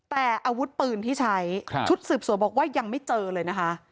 แต่อาวุธปืนที่ใช้ชุดสืบสวนบอกว่ายังไม่เจอเลยนะคะ